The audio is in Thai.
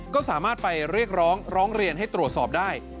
ก็สามารถไปเรียกร้องร้องเรียนให้ตรวจสอบได้